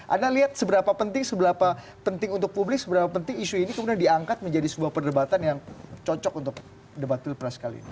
anda lihat seberapa penting seberapa penting untuk publik seberapa penting isu ini kemudian diangkat menjadi sebuah perdebatan yang cocok untuk debat pilpres kali ini